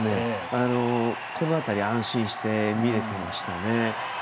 この辺り安心して見れてましたね。